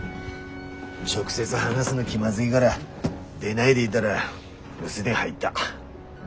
直接話すの気まずいがら出ないでいだら留守電入った。